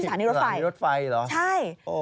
สถานีรถไฟเหรอใช่